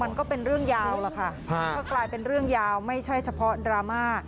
มันก็เป็นเรื่องยาวล่ะค่ะก็กลายเป็นเรื่องยาวไม่ใช่เฉพาะดราม่า